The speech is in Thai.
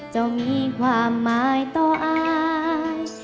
เจ้ามีความหมายต่อหาร